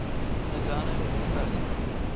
Nagano Expressway.